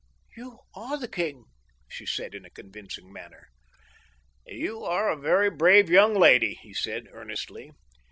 "You are the king," she said in a convincing manner. "You are a very brave young lady," he said earnestly.